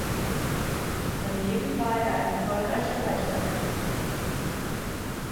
Daneben war er ein erfolgreicher Leichtathlet.